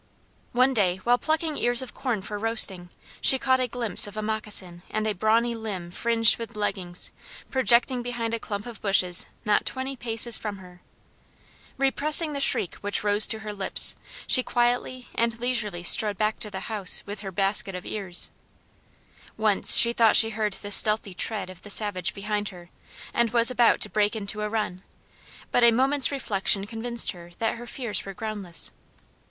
One day while plucking ears of corn for roasting, she caught a glimpse of a moccasin and a brawny limb fringed with leggins, projecting behind a clump of bushes not twenty paces from her. Repressing the shriek which rose to her lips, she quietly and leisurely strolled back to the house with her basket of ears. Once she thought she heard the stealthy tread of the savage behind her and was about to break into a run; but a moment's reflection convinced her that her fears were groundless.